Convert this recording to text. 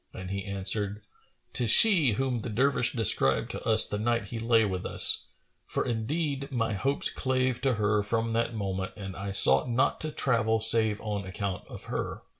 and he answered, "'Tis she whom the Dervish described to us the night he lay with us; for indeed my hopes clave to her from that moment and I sought not to travel save on account of her.